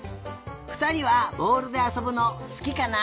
ふたりはぼおるであそぶのすきかな？